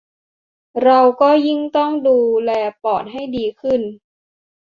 เราก็ยิ่งต้องดูแลปอดให้ดีขึ้น